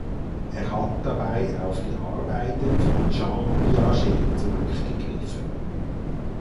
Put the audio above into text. Er hat dabei auf die Arbeiten von Jean Piaget zurückgegriffen.